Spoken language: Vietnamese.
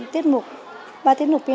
ba tiết mục piano và một tiết mục piano